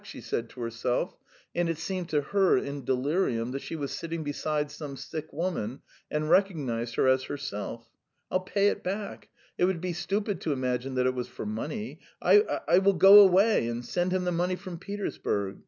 she said to herself, and it seemed to her in delirium that she was sitting beside some sick woman, and recognised her as herself. "I'll pay it back. It would be stupid to imagine that it was for money I ... I will go away and send him the money from Petersburg.